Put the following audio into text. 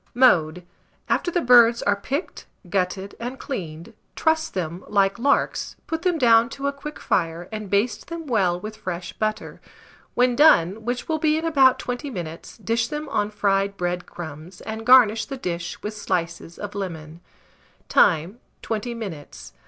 Mode. After the birds are picked, gutted, and cleaned, truss them like larks, put them down to a quick fire, and baste them well with fresh butter. When done, which will be in about 20 minutes, dish them on fried bread crumbs, and garnish the dish with slices of lemon. Time. 20 minutes.